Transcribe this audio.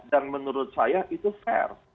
dan menurut saya itu fair